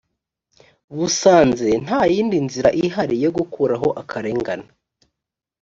busanze nta yindi nzira ihari yo gukuraho akarengane